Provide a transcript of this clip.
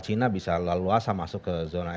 cina bisa lalu luasa masuk ke